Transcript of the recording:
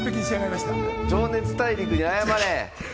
『情熱大陸』に謝れ。